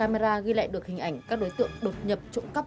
đây là những gì mà camera ghi lại được hình ảnh các đối tượng đột nhập trộm cắp